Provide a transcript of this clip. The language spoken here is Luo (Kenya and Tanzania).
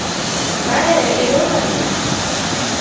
Mae e yoo maduong'?